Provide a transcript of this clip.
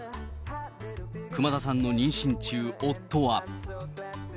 熊田さんの妊娠中、夫は。